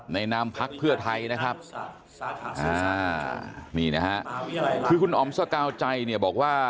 ในนามพรรคเพื่อไทยนะครับคือคุณอ๋อมสกาวใจเนี่ยบอกว่า